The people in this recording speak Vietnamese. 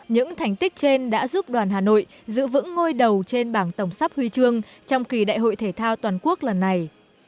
những thành tích trên đã giúp đoàn hà nội giữ vững ngôi đầu trên bảng tổng sắp huy chương trong kỳ đại hội thể thao toàn quốc lần này